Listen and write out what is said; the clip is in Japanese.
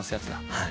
はい。